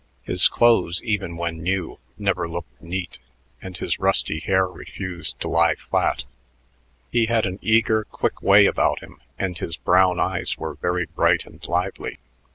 His clothes, even when new, never looked neat, and his rusty hair refused to lie flat. He had an eager, quick way about him, and his brown eyes were very bright and lively.